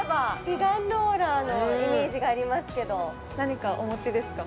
美顔ローラーのイメージがありますけど何かお持ちですか？